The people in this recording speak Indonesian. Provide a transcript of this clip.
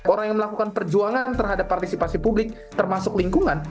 orang yang melakukan perjuangan terhadap partisipasi publik termasuk lingkungan